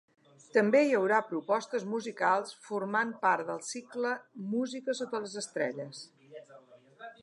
També hi haurà propostes musicals formant part del cicle Música sota les estrelles.